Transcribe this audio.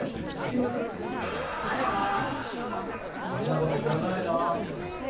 そんなこと言わないの。